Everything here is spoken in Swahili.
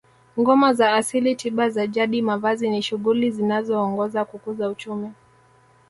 Ngoma za asili tiba za jadi mavazi ni shughuli zinazoongoza kukuza uchumi